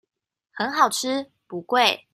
很好吃不貴